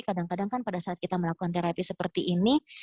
kadang kadang kan pada saat kita melakukan terapi seperti ini